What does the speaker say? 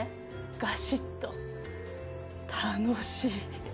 がしっと、楽しい。